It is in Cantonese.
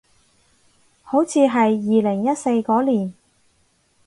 好似係二零一四嗰年